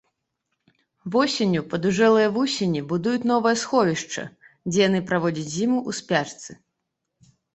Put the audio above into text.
Восенню падужэлыя вусені будуюць новае сховішча, дзе яны праводзяць зіму ў спячцы.